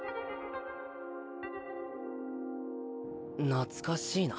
懐かしいな。